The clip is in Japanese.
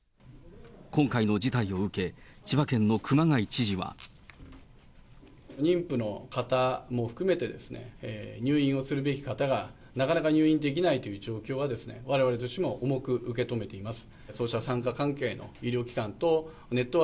今回の事態を受け、千葉県の熊谷知事は。妊婦の方も含めて、入院をするべき方がなかなか入院できないという状況は、われわれとしても重く受け止めています。